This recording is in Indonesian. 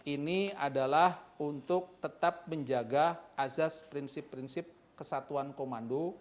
ini adalah untuk tetap menjaga azas prinsip prinsip kesatuan komando